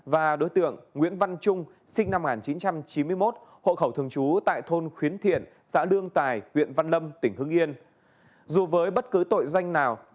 và đối tượng nguyễn văn trung sinh năm một nghìn chín trăm chín mươi một hộ khẩu thường trú tại thôn khuyến thiện xã lương tài huyện văn lâm tỉnh hưng yên